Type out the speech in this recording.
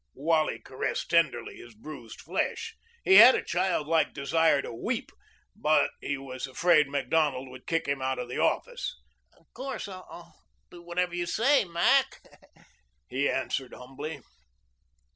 Wally caressed tenderly his bruised flesh. He had a childlike desire to weep, but he was afraid Macdonald would kick him out of the office. "'Course I'll do whatever you say, Mac," he answered humbly.